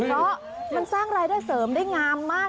เพราะมันสร้างรายได้เสริมได้งามมาก